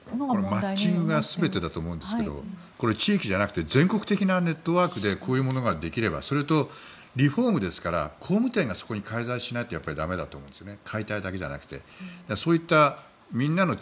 マッチングというのが全てだと思うけど地域じゃなくて全国的なネットワークでこういうことができればそれとリフォームですから工務店がそこに介在しないと駄目だと思うんですよね。